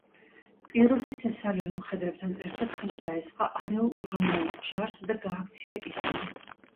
პიროსი თესალიელ მხედრებთან ერთად თავს დაესხა არეულ რომაულ ჯარს და გააქცია ისინი.